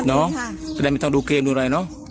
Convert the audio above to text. แสดงไม่ต้องดูเกมดูอะไรเนอะ